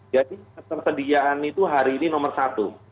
jadi ketersediaan itu hari ini nomor satu